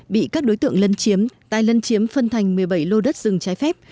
bị các đối tượng lân chiếm tại lân chiếm phân thành một mươi bảy lô đất rừng trái phép